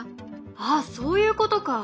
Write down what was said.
あっそういうことか。